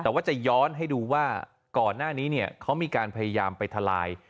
แต่ว่าจะย้อนให้ดูว่าก่อนหน้านี้เนี่ยเขามีการพยายามไปทลาย